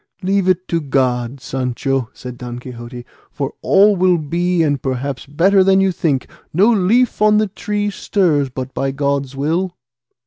"Leave it to God, Sancho," said Don Quixote, "for all will be and perhaps better than you think; no leaf on the tree stirs but by God's will."